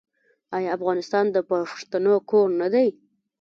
آیا افغانستان د پښتنو کور نه دی؟